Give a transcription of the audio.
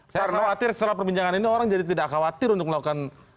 saya khawatir setelah perbincangan ini orang jadi tidak khawatir untuk melakukan